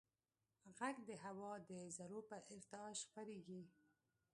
غږ د هوا د ذرّو په ارتعاش خپرېږي.